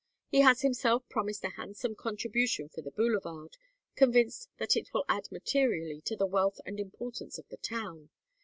He has himself promised a handsome contribution for the boulevard, convinced that it will add materially to the wealth and importance of the town.